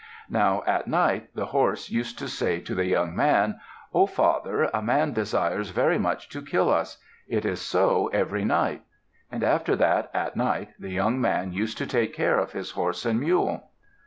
Now at night, the horse used to say to the young man, "O father, a man desires very much to kill us. It is so every night." And after that at night the young man used to take care of his horse and mule.